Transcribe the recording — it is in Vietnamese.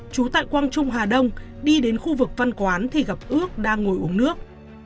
trú tại quang trung hà đông đi đến khu vực văn quán thì gặp ước đang ngồi uống nước